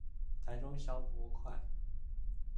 台中消波塊